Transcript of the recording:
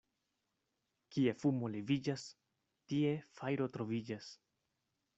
Kie fumo leviĝas, tie fajro troviĝas.